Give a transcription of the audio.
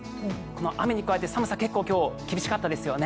雨に加えて寒さが結構今日、厳しかったですよね。